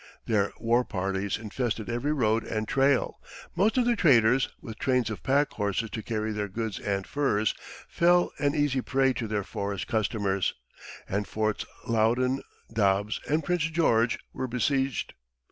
Their war parties infested every road and trail; most of the traders, with trains of packhorses to carry their goods and furs, fell an easy prey to their forest customers; and Forts Loudon, Dobbs, and Prince George were besieged.